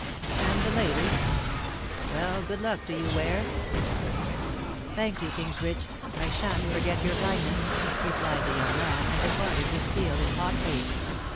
"And the lady? Well, good luck to you, Ware." "Thank you, Kingsbridge. I shan't forget your kindness," replied the young man, and departed with Steel in hot haste.